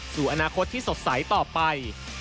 สู่อนาคตที่สดใสต่อไป